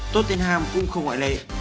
tottenham cũng không ngoại lệ